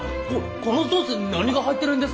このソース何が入ってるんです